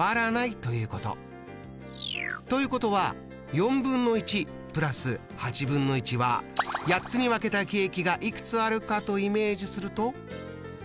ということは＋は８つに分けたケーキがいくつあるかとイメージすると。